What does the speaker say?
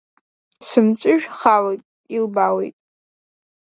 Сымҵәышә халоит, илбаауеит.